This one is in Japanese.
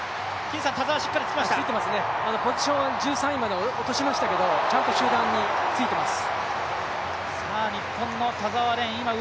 ポジションは１３位まで落としましたけど、ちゃんと集団についてます。